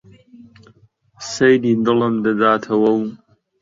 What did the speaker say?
سەیدی دڵم دەداتەوە و